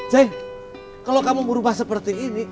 cek kalau kamu berubah seperti ini